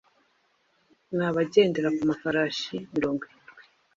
n’abagendera ku mafarashi mirongo irindwi,